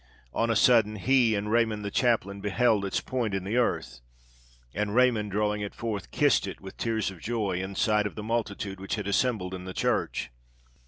On a sudden, he and Raymond the chaplain beheld its point in the earth, and Raymond, drawing it forth, kissed it with tears of joy, in sight of the multitude which had assembled in the church.